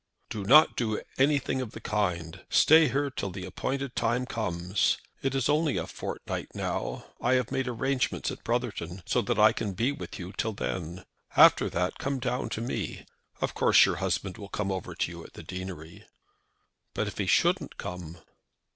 "Do not do anything of the kind. Stay here till the appointed time comes. It is only a fortnight now. I have made arrangements at Brotherton, so that I can be with you till then. After that come down to me. Of course your husband will come over to you at the deanery." "But if he shouldn't come?"